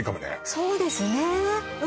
そうですね